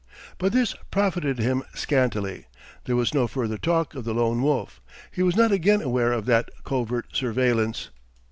But this profited him scantily; there was no further talk of the Lone Wolf; he was not again aware of that covert surveillance.